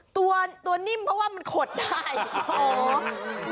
ตัวนิ่มเพราะว่ามันขดได้